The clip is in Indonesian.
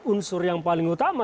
unsur yang paling utama